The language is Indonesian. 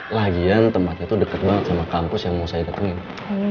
lagian tempatnya tuh deket banget sama kampus yang mau saya ketemuin